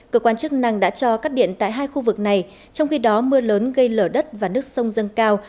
cơ quan chức năng đã cho cắt điện tại hai khu vực này trong khi đó mưa lớn gây lở đất và nước sông dâng cao